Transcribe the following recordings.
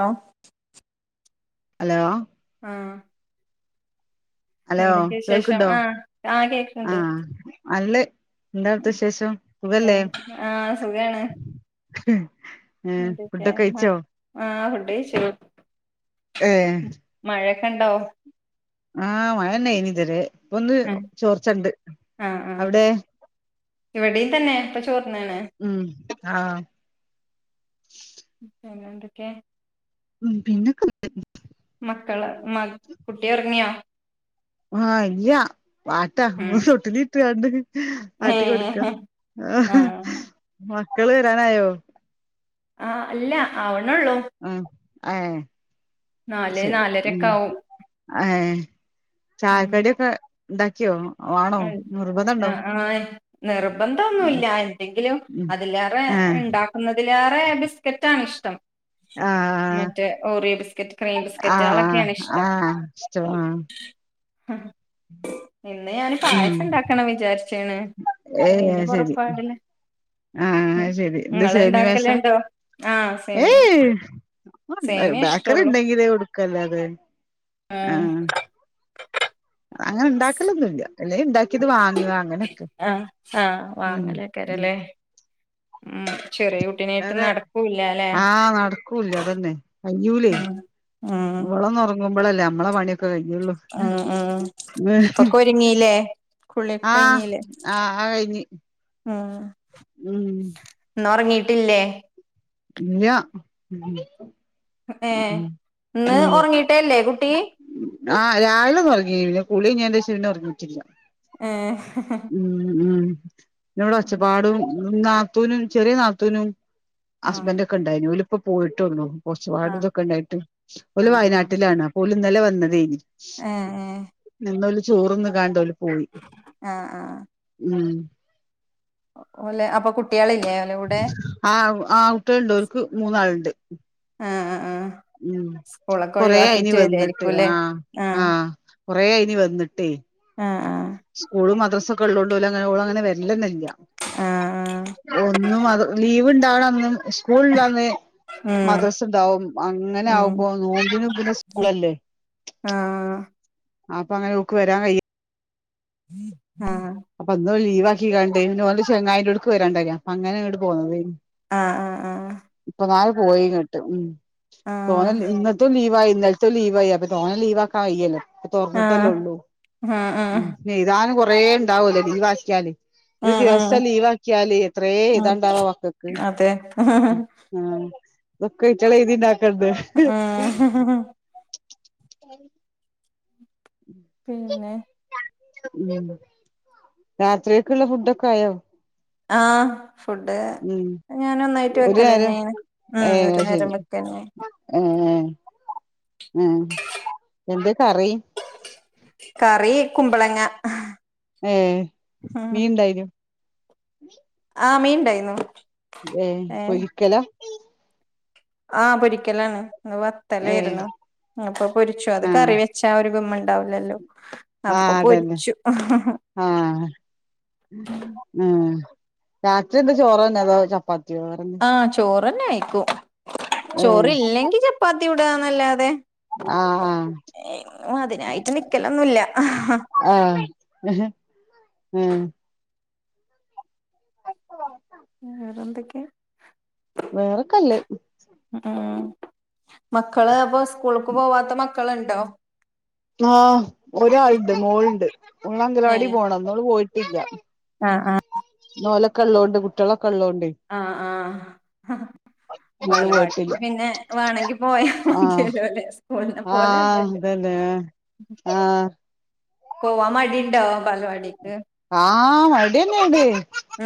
Hello hello ആഹ് hello എന്തൊക്കെ വിശേഷം കേൾക്കുണ്ടോ ആഹ് ആഹ് കേക്ക്ണ്ട് ആഹ് നല്ലേ എന്താടുത്തവിശേഷം സുഖല്ലേ? ആഹ് സുഖാണ് ഏ എന്തൊക്കെ ഫുഡൊക്കെ കഴിച്ചോ? ആഹ് ഫുഡ് കയിച്ചു. ഏഹ് മഴയൊക്കെ ണ്ടോ? ആഹ് മഴന്നെനിതരരെ ഇപ്പൊന്ന് ആഹ് ചോർച്ചുണ്ട് അവിടെ? ഇവിടിം ഇതന്നെ ഇപ്പൊ ചോർന്ന്ണ്. ഉം ആഹ് പിന്നെ എന്തൊക്കെ ഉ പിന്നെക്ക മക്കള് മ കുട്ടി ഉറങ്ങിയാ? ആഹ ഇല്ല്യ പാട്ടാ ഉം തൊട്ടിലിൽ ഇട്ട് കാണ്ട് ആട്ടി കൊടുക്ക. ഏഹ് ആഹ് മക്കള് വരാനായോ? ആഹ് ഇല്ല ആവ്വ്നൊള്ളൂ. ഉം ഏഹ് നാല് ശരി ഉം നാലരൊക്കെ ആവും ഏഹ് ഉം ചായക്കടി ഒക്കെ ഇണ്ടാക്കിയോ വാണോ ആഹ് നിർബന്ധ ണ്ടോ? ആഹ് നിർബന്ധന്നുല്ല എന്തെങ്കിലും ഉം അതിലേറെ ഏഹ് ഇണ്ട അതിലേറെ ബിസ്ക്കറ്റാണ് ഇഷ്ടം. ആഹ് മറ്റേ ഓറിയോ ബിസ്കറ്റ് ക്രീം ആഹ് ബിസ്കറ്റാളൊക്കെയാണ് ഇഷ്ടം. ആഹ് സ്റ്റോ ഉം ഇന്ന് ഞാന് ഉം പായസണ്ടാക്കണം വിചാര്ച്ച്ണ് ഏയ് അയിന്റെ അത് ശരി പൊറപ്പാടില്. ആഹ് ഉഹ് അത് ശരി എന്ത് സേമി പായസാ ഇങ്ങള്ണ്ടാക്കല്ണ്ടോ ആഹ് സേമിയം. ബേക്കറിണ്ടെങ്കില് കൊടുക്കല്ലാതെ ആഹ് അങ്ങനെ ഇണ്ടാക്കലൊന്നുല്ല അല്ലെയിണ്ടാ ക്കിതുവാങ്ങ അങ്ങനൊക്കെ ആഹ് ആഹ് ഉം ഉം വാങ്ങലേക്കാരല്ലേ ഉം ചെറിയ കുട്ടിനെയിട്ട് അല്ലാതെ നടക്കൂല്ലല്ലെ? ആഹ് നടകൂല്യ അതന്നെ ഉം ഉം കയ്യൂലേഇവളൊന്നൊറങ്ങുമ്പളല്ലേ നമ്മളെ പണി ക്കെ കയ്യൊള്ളൂ. ഉം ഉം ഒക്കെ ഒരുങ്ങില്ലേ കുളിയൊക്കെ ആഹ് കഴിഞ്ഞില്ലേ ആ അ കഴിഞ്ഞ്. ഉം ഉം ഇന്നൊറങ്ങീട്ടില്ലേ? ഇല്ല ഏഹ് ഉം ഇന്ന് ഉം ഒറങ്ങിട്ടേല്ലേ കുട്ടി? ആഹ് രാവിലൊന്നറങ്ങി പിന്നെ കുളിയയിഞ്ഞേൻ്റേഷം പിന്നെ ഒറങ്ങീട്ടില്ല. ഏഹ് ഉം ഉം ഇന്ന്വ്ടൊച്ചപ്പാടും നാത്തൂനും ചെറിയ നാത്തൂനും ആഹ് ഹസ്ബൻ്റൊക്കെ ഉണ്ടായിന് ഓലിപ്പോ പോയിട്ടൊള്ളു ആഹ് ഒച്ച്പാടുതൊക്കെണ്ടായിട്ട് ഓല് ആഹ് ആഹ് വയനാട്ടിലാണ്. ഓൽ ഇന്നലെ വന്നതെയ്ന്. ഏഹ് ഏഹ് നിന്നോല് ചോറ്ന്ന്ക്കാണ്ടോല് പോയി. ആഹ് ആഹ് ഉം ഓലെ അപ്പൊ കുട്ട്യാളില്ലേ ആഹ് ആഹ് കുട്ടിയാള്ണ്ട് ഓല്ക്ക് മൂന്നാളുണ്ട്. ആഹ് ആഹ് ആഹ് ഉം സ്കൂളൊക്കെ കൊറേ അയിനി ഒഴിവാക്കിട്ട് വന്നിട്ട് വരുവായിരിക്കുംല്ലേ ആഹ് ആഹ് കൊറേ ആയ്നി വെന്ന്ട്ടേ. ആഹ് ആഹ് സ്കൂളും മദ്രസൊക്കെ ഉള്ളോണ്ട് ഓല ങ്ങനെ ഓളങ്ങനെ വെര്ലന്നെ ഇല്ല. ആഹ് ഒന്നു അത് ലീവ്ണ്ടാവണന്ന് സ്കൂള് ഇല്ലന്ന് ആഹ് മദ്രസ്ണ്ടാവും ഉം ഉം അങ്ങനാവുമ്പോ നോമ്പിനും പിന്നെ സ്കൂളല്ലേ. ആഹ് അപ്പങ്ങനെ ഓക്ക് വരാൻ കഴി ആഹ് അപ്പന്നോല് ലീവാക്കിക്കാണ്ടേയ് പിന്നോന്റെ ചെങ്ങായിന്റോട്ക്ക് വരാണ്ടായ്നി അപ്പഅങ്ങനെങ്ങട്ട് പോന്നതേയ്ന്ന് ആഹ് ആഹ് ഇപ്പന്നാരെ പോയിങ്ങട്ട് ഉം തോനെൽ ആഹ് ഇന്നത്തും ലീവായി ഇന്നൽ ത്തു ലീവായി അപ്പൊ തോനെ ലീവാക്കാൻ വെയ്യല്ലോ ഇപ്പ തൊർന്ന്ട്ടല്ലേ ആഹ് ഒള്ളൂ ആഹ് ആഹ് ആഹ് ഉം ന്നെ എഴ്താനും കൊറേ ഇണ്ടാവൊല്ലോ ലീവാക്കിയാല്. ഒരു ഉം ഉം ദിവസം ലീവാക്കിയാല് എത്രേ ഉം എഴ്താണ്ടാവാ മക്കക്ക്. അതെ ആഹ് തൊക്കെ അയ്റ്റാളെഴുതിണ്ടാക്കണ്ടേ. അഹ് ആഹ് പിന്നെ ഞമ് [unintelligible] രാത്രികക്ക്‌ള്ള ഫുഡൊക്കായോ ആഹ് ഫുഡ് ഉം ഞാൻ ഒന്നായിട്ട് ഒരു നേരം വെക്കലെന്നേയ്ന്ന് ഉം ഒര്നേരം വെക്കന്നേണ് അങ്ങനെ ഉം എന്താ കറി കറി കുമ്പളങ്ങ ഏഹ് ഉം മീൻ ഇണ്ടായിനോ ആഹ് മീൻ ഇണ്ടായ്ന്നു ഏഹ് പൊരിക്കലാ ആഹ് പൊരിക്കലാണ് ഇന്ന് ഏ വത്തലേര്ന്നു അപ്പൊ പൊരിച്ചു അത് ആഹ് കറി വെച്ചാ ഒരു ഗുമ്മ്ണ്ടാവുല്ലല്ലോ ആഹ് അപ്പൊ അതന്നെ പൊരിച്ചു ഉം ആഹ് ഉം രാത്രി എന്താ ചോറെന്നെ അതോ ചപ്പാത്തിയോ വേറെൻ ആഹ് ചോറെന്നെ കഴിക്കും ഏ ചോറ് ഇല്ലെങ്കി ചപ്പാത്തി ചുടാന്നല്ലാതെ ആഹ് ഇങ്ങനതിനായിട്ട് നിക്കലൊന്നും ഇല്ല ആഹ് ഉം ഉം വേറെന്തെക്കെ വേറെക്കല്ലഹ് ഉം മക്കള് അപ്പൊ സ്കൂൾക്ക് പോവാത്ത മക്കള്ണ്ടോ ആഹ് ഒരാള്ണ്ട് മോള്ണ്ട് മോള അംഗനവാടി ഏഹ് പോണം ഇന്നവള് പോയിട്ടില്ല ആഹ് ആഹ് ഓലക്കൊള്ളോണ്ട് കുട്ടികളക്കൊള്ളോണ്ട് ആഹ് ആഹ് ഇന്നോള് പോയിട്ടില്ല ബാലവാടിക്ക് പിന്നെ വേണങ്കി പോയാ മതിയല്ലോ അല്ലേ സ്കൂളിന പോലെ അല്ലല്ലോ അതേലെ ആഹ് പോവാൻ മടി ഇണ്ടോ ബാലവാടിക്ക് ആഹ് മടിയന്നെ ഇത്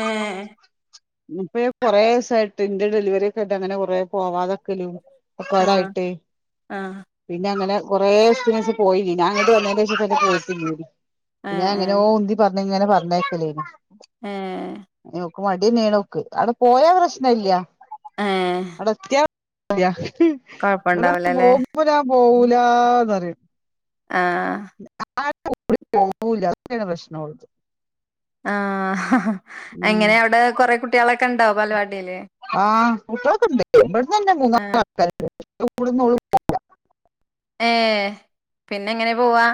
ഏഹ് ഇപ്പഴ് കൊറേ സായിട്ട് ഇന്റെ ഡെലിവറി ഓക്കായിട്ട് അങ്ങനെ കൊറേ പോവാതാക്കലും ഇപ്പ ആഹ് അതായിട്ട് ആഹ് പിന്ന അങ്ങനെ കൊറേ ദിവസത്തിന് ശേഷം പോയില്ലേനു ഞാൻ അങ്ങട്ട് വന്നേനേഷം [unintelligible] ഏ പിന്ന ഏ അങ്ങന ഓ ഉന്തി പറഞ്ഞങ്ങന പറഞ്ഞേക്കലേ ഏ പിന്നവക്ക് മ [unintelligible] അവിടെ പോയാ പ്രശ്ന ഇല്യ ഏ അവടെ എത്തിയാ [unintelligible] ഇവള [unintelligible] കൊഴപ്പണ്ടാവൂലല്ലേ പോവൂലാ പോവൂലാന്ന് പറയും ആഹ് [unintelligible] [unintelligible] പോവൂല്ല അതൊക്കെയാണ് പ്രശ്ന ഒള്ള് ആഹ് ഉം എങ്ങനെ അവടെ കൊറേ കുട്ടികളൊക്കെ ഇണ്ടോ ബാലവാടിയില് ആഹ് കുട്ടികളൊക്കെണ്ട് ഇവിടന്ന് തന്നെ മൂന്നാല് ആഹ് ആൾക്കാര്ണ്ട് [unintelligible] ഏഹ് പിന്നെ എങ്ങനാ പോവാ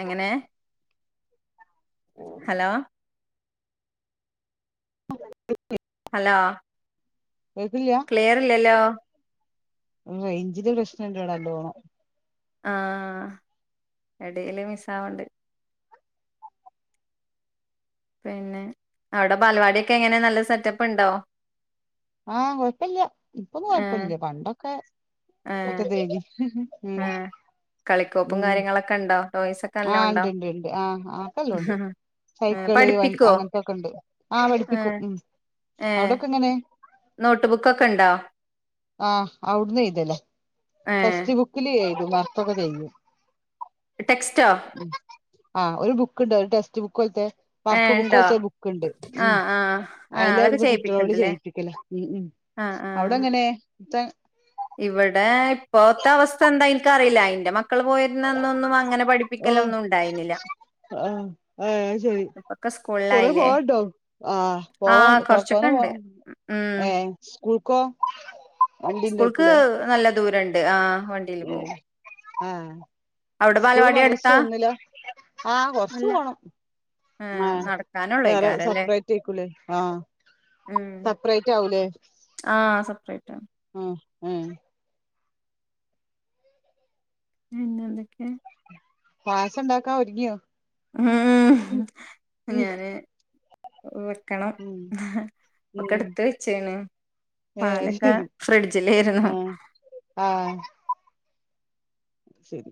എങ്ങനെ ഹലോ [unintelligible] ഹലോ കേക്ക്ണ്ല്ല്യ ക്ലിയർ ഇല്ലല്ലോ റേഞ്ചിന്റ പ്രശ്നംണ്ട് ഇവടെ നല്ലോണം ആഹ് എടേല് മിസ് ആവ്ണ്ട് പിന്നെ അവിടെ ബാലവാടിയൊക്കെ എങ്ങനെ നല്ല സെറ്റപ്പ് ണ്ടോ ആഹ്‌ കൊഴപ്പല്ല്യ ഇപ്പൊന്നും ഏഹ് കൊഴപ്പല്ല്യ പണ്ടൊക്കെ മറ്റതെയ്നി ആഹ് കളിക്കോപ്പും കാര്യങ്ങളൊക്കെണ്ടോ ആഹ്‌ ണ്ട് ണ്ട് ണ്ട് ആഹ് ആഹ്‌ ഇപ്പ ന്നല്ലോണ്ട് ഉണ്ടോ ഏഹ് സൈക്കിള് വ പഠിപ്പിക്കോ അങ്ങനത്തൊക്കെണ്ട് ആഹ്‌ പഠിപ്പിക്കും ഏഹ് ഉം ഏഹ് അവിടെക്കെ എങ്ങനെ നോട്ട് ബുക്ക്ക്കൊക്കെണ്ടോ ആഹ് അവിട്ന്ന് എയ്തല ഏഹ് ടെസ്റ്റ് ബുക്കില് എയുതും വർക്ക് ഒക്കെ [unintelligible] ടെക്സ്റ്റോ ആഹ്‌ ഒരു ബുക്കുണ്ട് ഒരു ടെക്സ്റ്റ് ബുക്ക് പോലത്തെ വർക്ക് ഏഹ് ഇണ്ടോ ബുക്കോൽത്ത ബുക്ക്ണ്ട് ഉം ആഹ് ആഹ് ആഹ് അതൊക്കെ അയ്ലവിടുന്ന് കുട്ടികളോട് ചെയ്യിപ്പിക്ക്ണ്ട്ല്ലേ ചെയ്യിപ്പിക്കല ഉം ഉം അവിടെങ്ങനെ [unintelligible] ഇവടെ ഇപ്പോത്തെ അവസ്ഥ എന്താ ഇൻക്കറീല്ല ഇന്റെ മക്കള് പോയ ഇന്നൊന്നൊന്നും അങ്ങനെ പഠിപ്പിക്കലൊന്നും ഉണ്ടായിരുന്നില്ല ആഹ്‌ ഏഹ്‌ ശെരി ഇപ്പൊക്കെ കൊറെ സ്കൂളിലായില്ലേ പോവാണ്ടോ ആഹ്‌ ആഹ് പോവാണ്ട് [unintelligible] പോവാ കൊറച്ചൊക്കെണ്ട് ഉം ഏഹ്‌ സ്കൂൾക്കോ വണ്ടി സ്കൂൾക്ക് നല്ല ദൂരണ്ട് ആഹ്‌ വ ഉം ആഹ്‌ അവിടെ സ്കൂള് ബാലവാടി മദ്രസ അടുത്താ ഒന്നിലാ ആഹ്‌ കൊറച്ച് അല്ല പോണം ഏഹ് ആഹ്‌ വേറെ നടക്കാനൊള്ളേക്കാരല്ലേ സെപ്പറേറ്റ് ഏക്കൂലേ ആഹ്‌ സെപ്പറേറ്റ് ആവുംലേ ആഹ്‌ സെപ്പറേറ്റാ ആഹ്‌ ഏഹ് പിന്നെന്തൊക്കെ പാസണ്ടാക്കാനൊരിങ്ങിയോ ഉം ഉം ഞാന് വെക്കണം ഒക്കെ ഉം ഇട്ത്ത് വെച്ക്ണ് ഏ പാലക്കെ ഫ്രിഡ്ജിലേര്ന്നു ആഹ്‌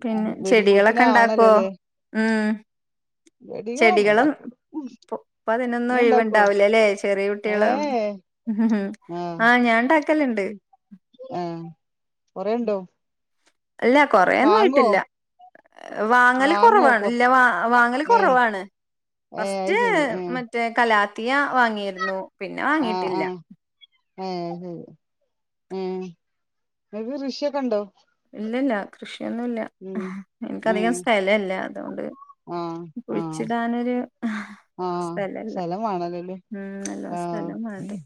പിന്നെ വരുമ്പോത്തിന് ചെടികളൊക്കെണ്ടാക്കോ ഉം ചെടികളൊന്നും ചെടികളും ഉണ്ടാക്കുല ഇപ്പൊ ഇപ്പതിനൊന്നും ഒഴിവുണ്ടാവില്ലല്ലെ ചെറിയ ഏ കുട്ടികളാവുമ്പോ ഉം ആഹ് ഞാൻ ണ്ടാക്കല്ണ്ട് ആഹ്‌ കൊറെണ്ടോ ഇല്ല കൊറേൊന്നും ആയിട്ടില്ല വാങ്ങല് വാങ്ങോ കൊറവാണ് ഇല്ല കൊറച്ച് വാ വാങ്ങല് ഏ കൊറവാണ് ഏ അത് ഫസ്റ്റ് ശരി ഏ മറ്റേ കലാത്തിയ വാങ്ങിയിരുന്നു. പിന്നെ ആഹ്‌ വാങ്ങിയിട്ടില്ല ആഹ്‌ ഏഹ് ശെരി ഏഹ് ങ്ങക്ക് കൃഷിയൊക്കെണ്ടോ ഇല്ലല്ല കൃഷിയൊന്നുല്ല ഏ ഞങ്ങൾക്കധികം സ്ഥലല്ല അതോണ്ട് ആഹ ആഹ കുഴിച്ചിടാനൊരു ആഹ സ്ഥലല്ല സ്ഥലം വേണല്ലോല്ലേ ഉം നല്ലോം ആഹ് സ്ഥലം വാണ്ടേ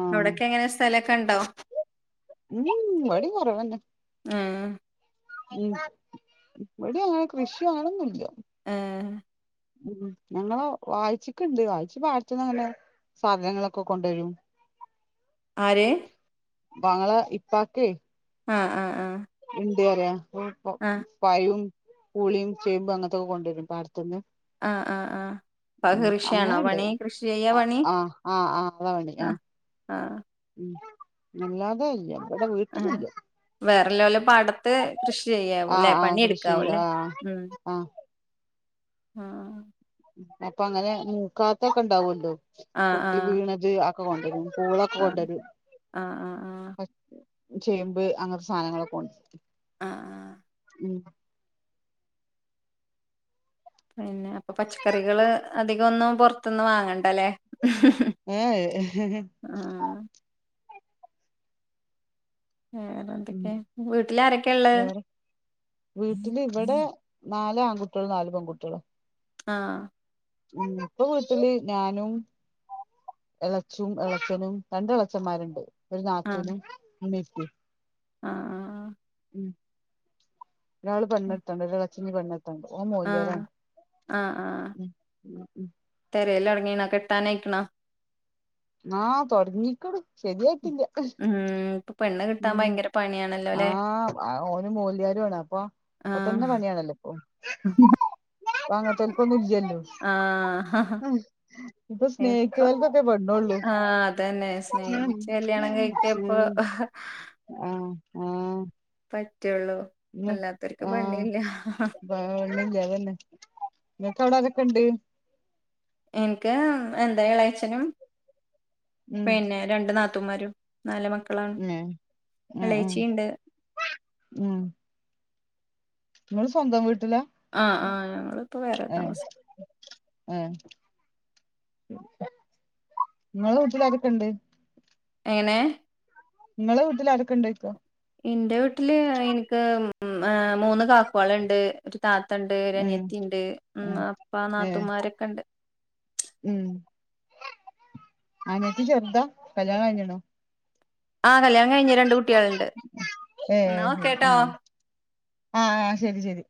ആഹ് അവിടൊക്കെ എങ്ങനെ സ്ഥ സ്ഥലൊക്കെണ്ടോ ഉം ഇവടിം കൊറവെന്നേ ആഹ്‌ ഉം ഇവിടി അങ്ങനെ കൃഷോ അങ്ങനൊന്നുല്ല ഏഹ് ഉം ഞങ്ങളേ വായിച്ചിക്ണ്ട് വായിച് പാടത്ന്ന ങ്ങനെ സാധനങ്ങളൊക്കെ കൊണ്ടുവരും ആര് ബങ്ങള ഇപ്പക്കെ ആഹ ആഹ ആഹ എന്ത് പറ പറയാ പഴവും പുളിയും ചേമ്പും അങ്ങനത്തൊക്കെ കൊണ്ടുവരും പാടത്തിന്ന്. ആഹ്ആഹ്ആഹ് ഇപാക് കൃഷിയാണോ അങ്ങനെണ്ട് പണി കൃഷി ചെയ്യ ആഹ് പണി ആഹ് ആഹ് ആഹ് അതാ പണി ആ ആഹ് ആഹ ഉം അല്ലാതെ അല്ല ഇവിടെ വീട്ടിലില്ല വേറെ ലോലെ പാടത്ത് കൃഷി ചെയ്യാവൂ ആഹ് ല്ലെ ആഹ് കൃഷി പണിയെടുക്കാവൂ ല്ലേ ആഹ് ഉം ആഹ് ആ ഹ് അപ്പൊ അങ്ങനെ മൂക്കാത്തെ ഒക്കെ ഇണ്ടാവല്ലോ ആഹ് പൊട്ടി വീണത് ഒക്കെ കൊണ്ടരും പൂളൊക്കെ ആഹ് കൊണ്ടരും ആഹ് ആഹ് ആഹ് ആഹ് പ ചേമ്പ് അങ്ങനത്തെ സാധനങ്ങളൊക്കെ കൊണ്ട് - ആഹ് ആഹ് ഉം പിന്നെ അപ്പൊ പച്ചക്കറികള് അധികം ഒന്നും പൊറത്ത്ന്ന് വാങ്ങണ്ടല്ലേ? ഏഹ് ഹി ഹി ആഹ് വേറെ ഉം എന്തൊക്കെ? വീട്ടില് ആരൊക്കെ ഉള്ളെ? വേറെ വീട്ടില് ഇവിടെ നാല് ആൺകുട്ടികളും നാല് പെൺകുട്ടികളും. ആഹ് ഉം ഇപ്പൊ വീട്ടില് ഞാനും എളച്ചും എളച്ചനും രണ്ട് എളച്ചന്മാരുണ്ട് ഒരു ആഹ് നാത്തൂനും ഉമ്മേ ഉപ്പിം. ആഹ് ആ ഒരാള് പെണ്ണെട്ടാണ്ട് ഒരെളെച്ച ഞ്ഞ് പെണ്ണെട്ടാണ്ട്. ഓൻ ആഹ് മോല്യാരാണ്. തെരേൽ എറങ്ങീണോ? കിട്ടാൻ അയിക്ക്ണോ? ആഹ് തൊടങ്ങീക്ക്ണ് ശരിയായിട്ടില്ല. ഉം പെണ്ണ് കിട്ടാൻ ഉം ഭയങ്കര പണിയാണല്ലോല്ലേ ആഹ് ഓന് മോല്യാരു ആണ് അപ്പം. അപ്പൊ തന്നെ ആഹ് പണിയാണല്ലോ ഇപ്പൊ. ഇപ്പ അങ്ങനത്തോലികൊന്നും ഇല്ല്യാല്ലോ? ആഹ് ഇപ്പൊ സ്നേഹിക്ക്ണോൽക്കൊക്കെ പെണൊള്ളു. ആഹ് അതന്നെ സ്നേഹിച്ച് കല്യാണം കഴിക്കാ ഇപ്പൊ ആഹ് ആഹ് പറ്റൊളു. ഉം ആഹ് ഒന്നുല്ല അതന്നെ ഇങ്ങക്ക് അവിടെ ആരൊക്കെ ഉണ്ട്? എനിക്ക് എന്താ എളേച്ചനും ഉം പിന്നെ രണ്ട് നാത്തൂമാരും നാല് മക്കളാണ് ഏ ആ ആ എളേച്ചിണ്ട്. ഉം ഇങ്ങള് സ്വന്തം വീട്ടില? ആഹ് ആഹ് ഞങ്ങളിപ്പോ വേറെ താമസം. ഏഹ് ഇങ്ങെളെ വീട്ടിലാരൊക്കെ ഇണ്ട്? എങ്ങനെ? ഇങ്ങളെ വീട്ടിൽ ആരൊ കെഇണ്ട് ചോയ്ക്ക? ഇന്റെ വീട്ടില് ഇനിക്ക് മൂന്ന് കാക്കുവാളുണ്ട്. ഒരു താത്തണ്ട് ഒരു ഉം അനിയത്തി ഉണ്ട് ഉമ്മ ഉം അപ്പ ഏ നാത്തുൻമാരൊക്കെ ഉണ്ട്. ഉം അനിയത്തി ചെറുതാ കല്യാണം കഴിഞ്ഞ്ണോ? ആഹ് കല്യാണം കഴിഞ് രണ്ട് കുട്ടികളുണ്ട് ന്നാ ഓക്കെട്ടോ. ആഹ് ആ ശരി ശരി.